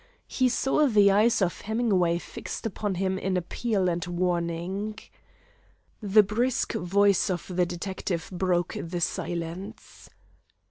He saw the eyes of Hemingway fixed upon him in appeal and warning. The brisk voice of the detective broke the silence.